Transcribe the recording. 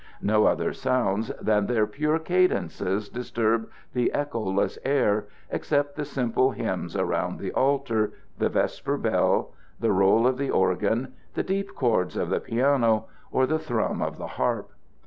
No other sounds than their pure cadences disturb the echoless air except the simple hymns around the altar, the vesper bell, the roll of the organ, the deep chords of the piano, or the thrum of the harp.